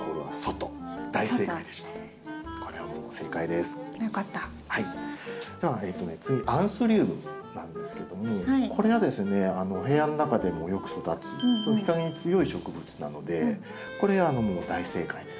では次アンスリウムなんですけどもこれはですねお部屋の中でもよく育つ日陰に強い植物なのでこれ大正解です。